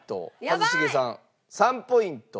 一茂さん３ポイント。